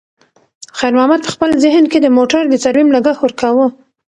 خیر محمد په خپل ذهن کې د موټر د ترمیم لګښت ورکاوه.